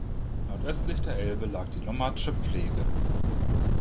Nordöstlich der Elbe lag die Lommatzscher Pflege.